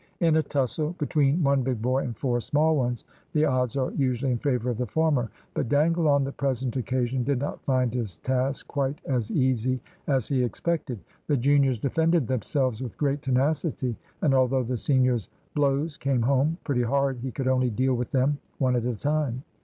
In a tussle between one big boy and four small ones, the odds are usually in favour of the former, but Dangle on the present occasion did not find his task quite as easy as he expected. The juniors defended themselves with great tenacity, and although the senior's blows came home pretty hard, he could only deal with them one at a time.